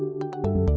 ya sedikit kali